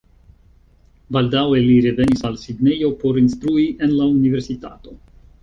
Baldaŭe li revenis al Sidnejo por instrui en la universitato.